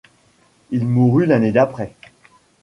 Il mourut l'année d'après.